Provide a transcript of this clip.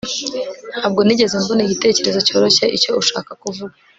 ntabwo nigeze mbona igitekerezo cyoroshye icyo ushaka kuvuga